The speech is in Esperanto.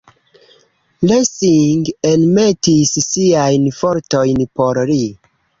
Lessing enmetis siajn fortojn por li.